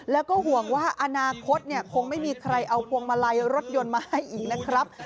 แล้วก็ห่วงว่าอนาคตคงไม่มีใครเอาพวงมาลัยรถยนต์มาให้อีกนะครับ